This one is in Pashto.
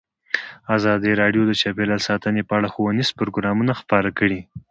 ازادي راډیو د چاپیریال ساتنه په اړه ښوونیز پروګرامونه خپاره کړي.